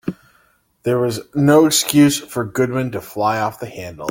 There was no excuse for Goodman to fly off the handle.